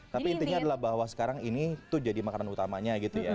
tapi intinya adalah bahwa sekarang ini tuh jadi makanan utamanya gitu ya